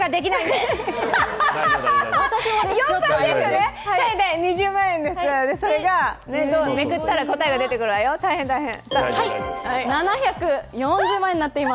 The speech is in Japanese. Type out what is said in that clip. ４％で２０万円です、めくったら答えが出てくるわよ大変大変。